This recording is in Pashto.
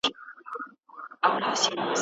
څه ډول تړونونه د چاپیریال ساتنه کوي؟